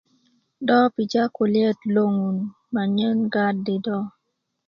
do pija kulyaet loŋun manyen gaadi do